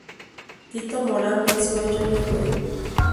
Tito Moran venció a Johnny Wave.